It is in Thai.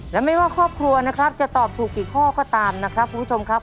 และไม่ว่าครอบครัวนะครับจะตอบถูกกี่ข้อก็ตามนะครับคุณผู้ชมครับ